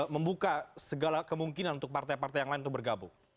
membuka segala kemungkinan untuk partai partai yang lain untuk bergabung